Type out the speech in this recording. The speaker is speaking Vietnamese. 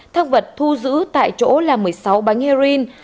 thăng vật thu giữ tại chỗ là một mươi sáu bánh heroin